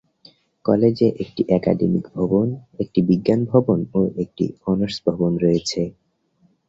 কলেজে একটি একাডেমিক ভবন, একটি বিজ্ঞান ভবন ও একটি অনার্স ভবন রয়েছে।